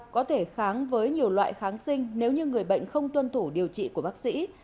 có thể kháng với nhiều loại kháng sinh nếu như người bệnh không tuân thủ điều trị của bác sĩ